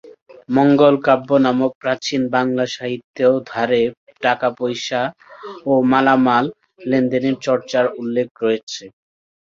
মঙ্গলকাব্য নামক প্রাচীন বাংলা সাহিত্যেও ধারে টাকাপয়সা ও মালামাল লেনদেনের চর্চার উল্লেখ রয়েছে।